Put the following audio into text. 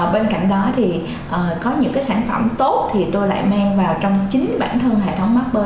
bên cạnh đó có những sản phẩm tốt thì tôi lại mang vào trong chính bản thân hệ thống mapper